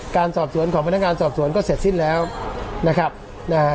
การสอบสวนของพนักงานสอบสวนก็เสร็จสิ้นแล้วนะครับนะฮะ